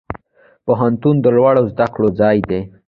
پوهنتون د لوړو زده کړو ځای دی